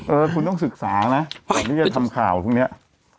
เออคุณต้องศึกษานะเดี๋ยวจะทำข่าวพรุ่งเนี้ยฮะ